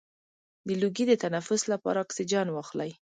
د لوګي د تنفس لپاره اکسیجن واخلئ